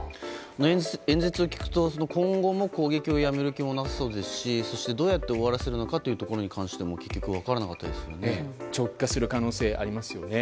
演説を聞くと、今後も攻撃をやめる気がなさそうですしそして、どうやって終わらせるのかというところも長期化する可能性がありますよね。